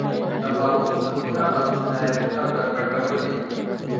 د ماوو ظلمونه او جنایتونه بربنډول یې.